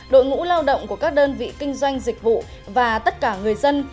đội ngũ lao động của các đơn vị kinh doanh dịch vụ và tất cả người dân